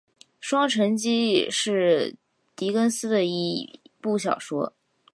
《双城记》是狄更斯的一部小说。